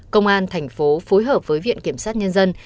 công an thành phố phối hợp với viện kiểm sát nhân dân